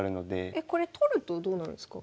これ取るとどうなるんですか？